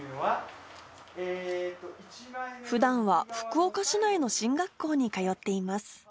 ふだんは福岡市内の進学校に通っています。